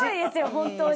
本当に。